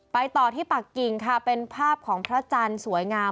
ต่อที่ปากกิ่งค่ะเป็นภาพของพระจันทร์สวยงาม